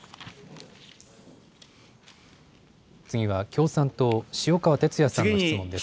次は共産党、塩川鉄也さんの質問です。